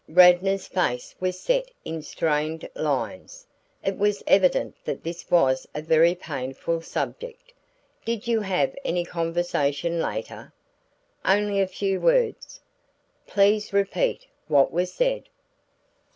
Radnor's face was set in strained lines; it was evident that this was a very painful subject. "Did you have any conversation later?" "Only a few words." "Please repeat what was said."